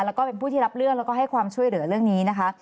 แล้วก็เป็นผู้ที่รับเรื่องแล้วก็ให้ความช่วยเหลือเรื่องนี้นะคะ